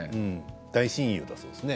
大親友だそうですね。